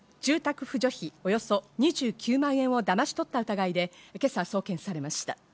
およそ２９万円をだまし取った疑いで今朝送検されました。